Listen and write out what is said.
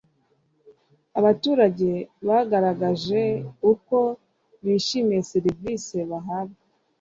abaturage bagaragaje uko bishimiye serivisi bahabwa